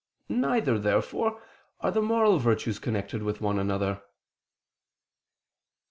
Neither, therefore, are the moral virtues connected with one another.